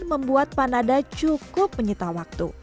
membuat panada cukup menyita waktu